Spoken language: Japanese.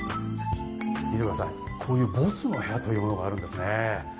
見てください、こういうボスの部屋というものがあるんですね。